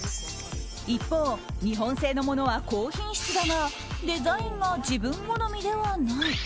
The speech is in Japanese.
一方、日本製のものは高品質だがデザインが自分好みではない。